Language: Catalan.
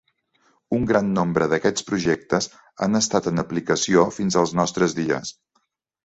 Un gran nombre d'aquests projectes han estat en aplicació fins als nostres dies.